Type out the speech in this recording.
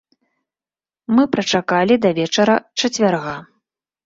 Мы прачакалі да вечара чацвярга.